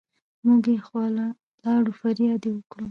مونږ يې خواله لاړو فرياد يې وکړو